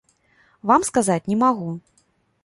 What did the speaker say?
Вам сказаць не магу.